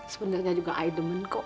sebenarnya juga aku demen kok